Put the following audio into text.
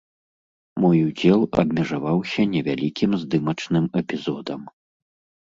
Мой удзел абмежаваўся невялікім здымачным эпізодам.